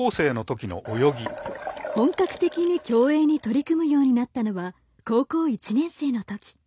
本格的に競泳に取り組むようになったのは高校１年生のとき。